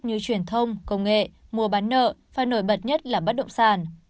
như truyền thông công nghệ mua bán nợ và nổi bật nhất là bất động sản